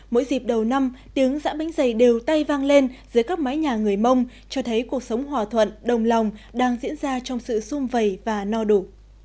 mỗi dịp đầu năm tiếng giã bánh dày đều tay vang lên dưới các mái nhà người mông cho thấy cuộc sống hòa thuận đồng lòng đang diễn ra trong sự xung vầy và no đủ